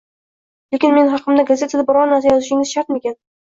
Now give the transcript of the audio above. Lekin men haqimda gazetada biror narsa yozishingiz shartmikin?